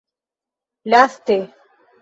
laste